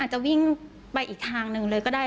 จะวิ่งไปอีกทางหนึ่งเลยก็ได้